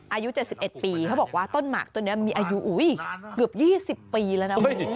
อายุ๗๑ปีเขาบอกว่าต้นหมากต้นนี้มีอายุเกือบ๒๐ปีแล้วนะคุณ